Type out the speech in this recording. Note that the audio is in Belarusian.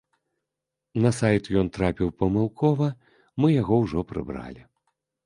На сайт ён трапіў памылкова, мы яго ўжо прыбралі.